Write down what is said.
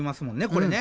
これね。